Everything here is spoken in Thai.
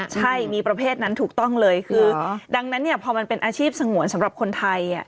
ใช่มีประเภทนั้นถูกต้องเลยคือดังนั้นเนี่ยพอมันเป็นอาชีพสงวนสำหรับคนไทย